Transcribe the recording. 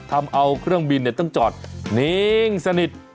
ทำเอาเครื่องบินต้องจอดนิ่งสนิท